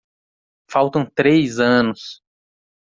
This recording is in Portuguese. Faltam três anos